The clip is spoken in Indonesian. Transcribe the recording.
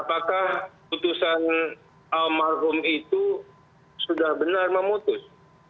apakah putusan almarhum itu sudah benar memutus